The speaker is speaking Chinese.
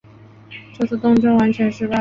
这次东征完全失败。